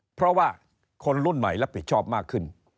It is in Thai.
เพราะว่าคนรุ่นใหม่รับผิดชอบมากขึ้น